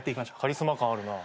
カリスマ感あるな。